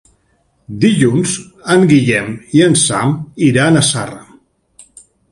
Dilluns en Guillem i en Sam iran a Zarra.